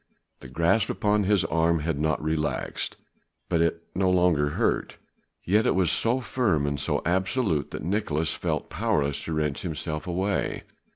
The grasp upon his arm had not relaxed, but it no longer hurt. Yet it was so firm and so absolute that Nicolaes felt powerless to wrench himself away.